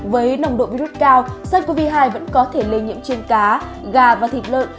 với nồng độ virus cao sars cov hai vẫn có thể lây nhiễm trên cá gà và thịt lợn